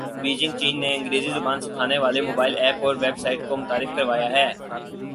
Beijing چین نے انگریزی زبان سکھانے والی موبائل ایپ اور ویب سایٹ کو متعارف کروا دیا ہے